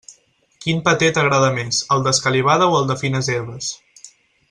Quin paté t'agrada més, el d'escalivada o el de fines herbes?